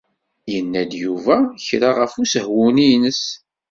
Yenna-d Yuba kra ɣef usehwu-ines?